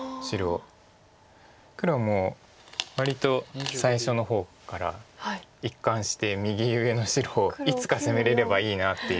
黒も割と最初の方から一貫して右上の白をいつか攻めれればいいなっていう。